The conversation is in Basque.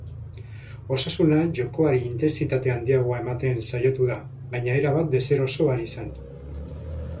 Osasuna jokoari intentsitate handiagoa ematen saiatu da, baina erabat deseroso ari zen.